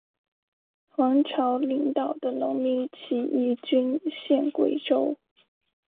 黄巢领导的农民起义军陷桂州。